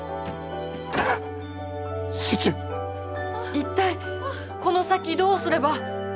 一体この先どうすれば。